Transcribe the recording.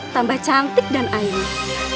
tambah cantik dan air